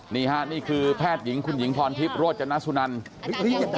นี่ฮะนี่คือแพทย์หญิงคุณหญิงพรทิพย์โรจนสุนัน